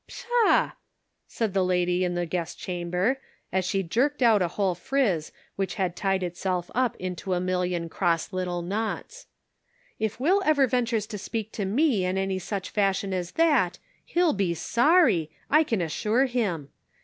" Pshaw !" said the lady in the guest cham ber, as she jerked out a whole friz which had tied itself up into a million cross little knots. " If Will ever ventures to speak to me in any such fashion as that he'll be sorry, I can as sure him